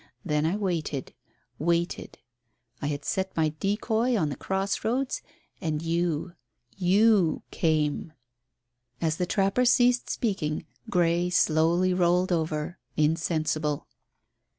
Then I waited waited. I had set my decoy at the cross roads, and you you came." As the trapper ceased speaking Grey slowly rolled over, insensible.